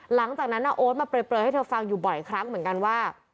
หลังจากนั้นโอ๊ตมาเปลยให้เธอฟังอยู่บ่อยครั้งเหมือนกันว่า